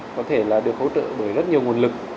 có thể là được hỗ trợ bởi rất nhiều nguồn lực